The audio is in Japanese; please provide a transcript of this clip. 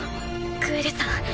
グエルさん